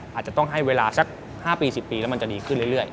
อาจจะต้องให้เวลาสัก๕ปี๑๐ปีแล้วมันจะดีขึ้นเรื่อย